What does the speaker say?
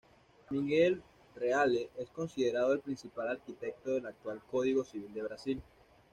Miguel Reale es considerado el principal arquitecto del actual Código Civil de Brasil.